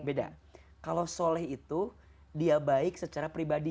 beda kalau soleh itu dia baik secara pribadi